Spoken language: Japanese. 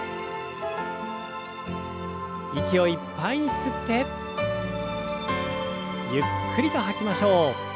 息をいっぱいに吸ってゆっくりと吐きましょう。